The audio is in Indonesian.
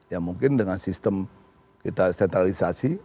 ya mungkin dengan sistem kita sentralisasi